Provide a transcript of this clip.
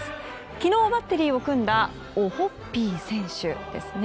昨日バッテリーを組んだオホッピー選手ですね。